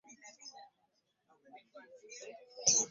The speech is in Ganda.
Abalyannaka beesunga misinde gy'amazaalibwa ga Nnamunswa.